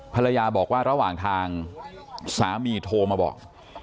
ภรรยาบอกว่าระหว่างทางสามีโทรมาบอก